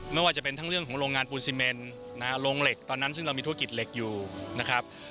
ไม่ว่าจะเป็นทั้งเรื่องของโรงงานปูนซีเมนนะฮะโรงเหล็กตอนนั้นซึ่งเรามีธุรกิจเหล็กอยู่นะครับ